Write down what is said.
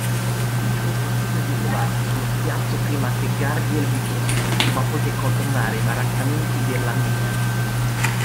Gli fu possibile di trovarsi sullo spiazzo prima che Gardiel vi fosse, ma poté contornare i baraccamenti della miniera.